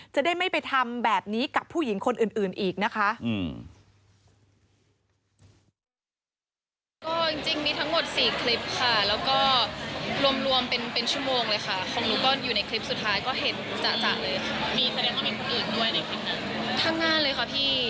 จะได้ไม่ไปทำแบบนี้กับผู้หญิงคนอื่นอีกนะคะ